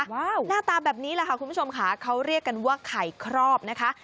ว้าวหน้าตาแบบนี้แหละค่ะคุณผู้ชมค่ะเขาเรียกกันว่าไข่ครอบนะคะ